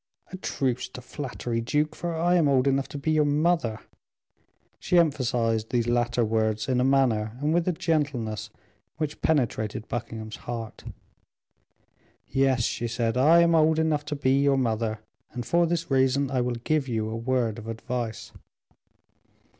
"A truce to flattery, duke, for I am old enough to be your mother." She emphasized these latter words in a manner, and with a gentleness, which penetrated Buckingham's heart. "Yes," she said, "I am old enough to be your mother; and for this reason, I will give you a word of advice."